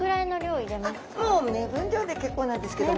あっもう目分量で結構なんですけども。